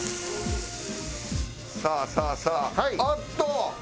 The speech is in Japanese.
さあさあさああっと！